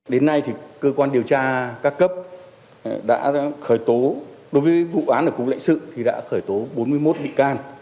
đến nay thì cơ quan điều tra các cấp đã khởi tố đối với vụ án ở cục lãnh sự thì đã khởi tố bốn mươi một bị can